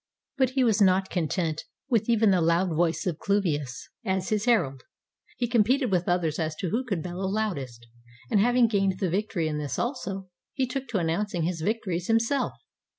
But he was not content with even the loud voice of Cluvius, as his herald. He competed with others as to who could bellow loudest, and having gained the vic tory in this also, he took to announcing his victories himself.